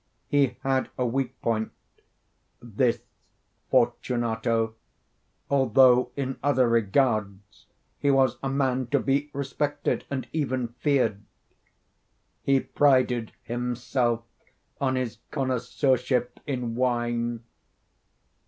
He had a weak point—this Fortunato—although in other regards he was a man to be respected and even feared. He prided himself on his connoisseurship in wine.